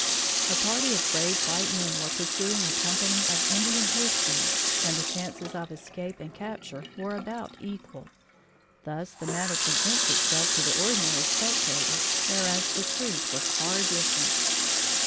A party of brave white men were pursuing a company of Indian horse thieves and the chances of escape and capture were about equal. Thus the matter presents itself to the ordinary spectator, whereas the truth was far different.